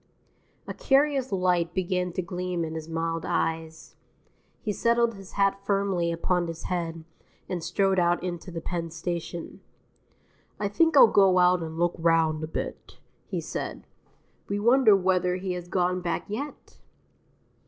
A curious light began to gleam in his mild eyes; he settled his hat firmly upon his head and strode out into the Penn Station. "I think I'll go out and look round a bit," he said. We wonder whether he has gone back yet?